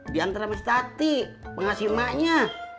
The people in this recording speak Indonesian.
di antre mas tati pengasih emaknya